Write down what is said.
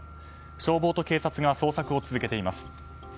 消防と警察が捜索を続けています。